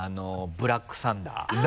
「ブラックサンダー」あっ！